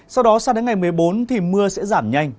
sau đó sang đến ngày một mươi bốn thì mưa sẽ giảm nhanh